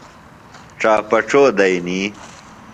ڇاپڇو دئنی۔